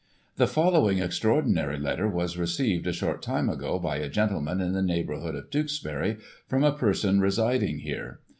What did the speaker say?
— ^The following extra ordinary letter was received, a short titoe ago, by a gentleman m the neighbourhood of Tewkesbury, from a person residing here.